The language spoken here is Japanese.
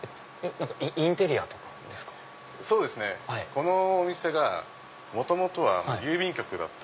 このお店が元々は郵便局だった。